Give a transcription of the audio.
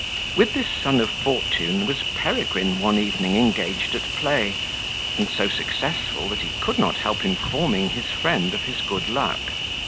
With this son of fortune was Peregrine one evening engaged at play, and so successful, that he could not help informing his friend of his good luck.